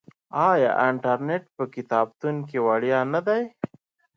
آیا انټرنیټ په کتابتون کې وړیا نه دی؟